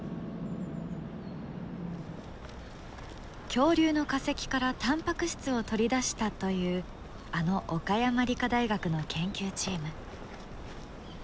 恐竜の化石からタンパク質を取り出したというあの岡山理科大学の研究チーム。